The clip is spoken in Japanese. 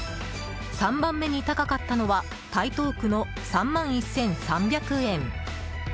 ３番目に高かったのは台東区の３万１３００円。